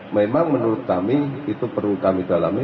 memang menurut kami itu perlu kami dalami